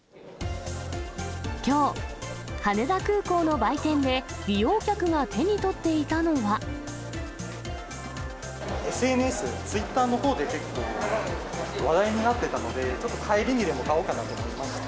きょう、羽田空港の売店で、ＳＮＳ、ツイッターのほうで結構、話題になってたので、ちょっと帰りにでも買おうかなと思いまして。